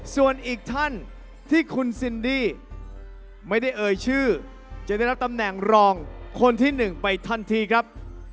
ส่วนอีกท่านที่คุณซินดี้ไม่ได้เอ่ยชื่อจะได้รับตำแหน่งรองคนที่๑ไปทันทีครับ